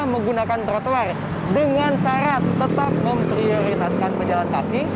kita menggunakan trotuar dengan syarat tetap memprioritaskan berjalan kaki